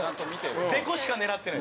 でこしか狙ってない。